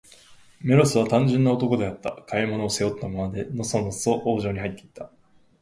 メロスは、単純な男であった。買い物を、背負ったままで、のそのそ王城にはいって行った。